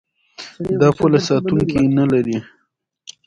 دا پوله ساتونکي نلري.